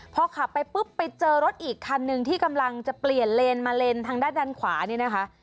พอขับไปปุ๊บไปเจอรถอีกคันหนึ่งที่กำลังจะเปลี่ยนเลนมาเลนทางด้านด้านขวานี่นะคะ